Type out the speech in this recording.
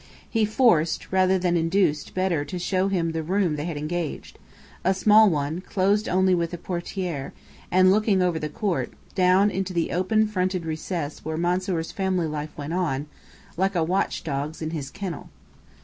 He forced, rather than induced Bedr to show him the room they had engaged a small one, closed only with a portière, and looking over the court, down into the open fronted recess where Mansoor's family life went on, like a watch dog's in his kennel.